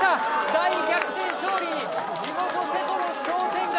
大逆転勝利に地元・瀬戸の商店街